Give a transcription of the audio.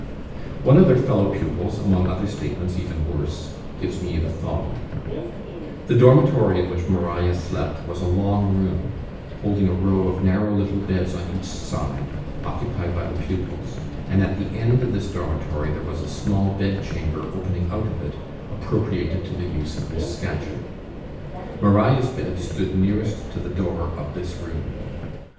One of their fellow pupils, among other statements even worse, gives me the following: The dormitory in which Maria slept was a long room, holding a row of narrow little beds on each side, occupied by the pupils; and at the end of this dormitory there was a small bed chamber opening out of it, appropriated to the use of Miss Scatcherd. Maria's bed stood nearest to the door of this room.